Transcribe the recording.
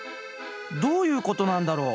どういうことなんだろう？